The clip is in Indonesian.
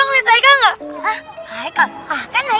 apa yang terjadi